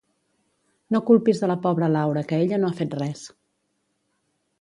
No culpis a la pobra Laura que ella no ha fet res